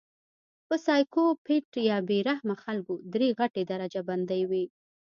پۀ سايکو پېت يا بې رحمه خلکو درې غټې درجه بندۍ وي